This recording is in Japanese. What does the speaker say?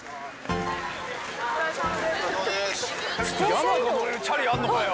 ＹＡＭＡが乗れるチャリあんのかよ。